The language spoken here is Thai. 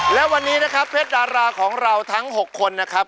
และวันนี้นะครับเพชรดาราของเราทั้ง๖คนนะครับ